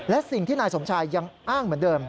และสิ่งที่นายสมชายยังอ้างเหมือนเดิม